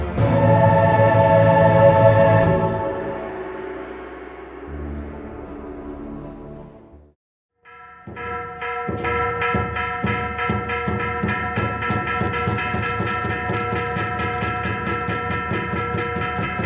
ทีนี้จะถามคุณผู้ชมที่ชมอยู่ใกล้กับวัด